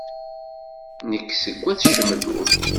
Nek seg At Cemlul.